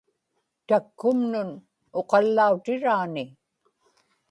takkumnun uqallautiraani